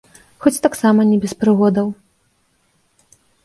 Хоць таксама не без прыгодаў.